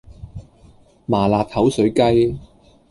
麻辣口水雞